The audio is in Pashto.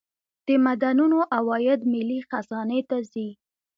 د معدنونو عواید ملي خزانې ته ځي